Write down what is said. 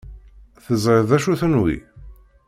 Teẓriḍ d acu-ten wi?